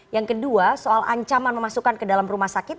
yang kedua soal ancaman memasukkan ke dalam rumah sakit